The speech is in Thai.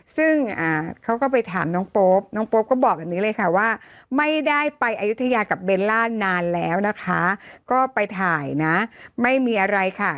ซึ่งเขาก็ไปถามน้องโป๊ปน้องโป๊ปก็บอกแบบนี้เลยค่ะว่าไม่ได้ไปอายุทยากับเบลล่านานแล้วนะคะก็ไปถ่ายนะไม่มีอะไรค่ะ